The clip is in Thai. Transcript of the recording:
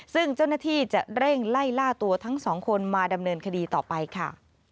ซึ่งเจ้าหน้าที่จะเร่งไล่ล่าตัวทั้งสองคนมาดำเนินคดีต่อไปค่ะ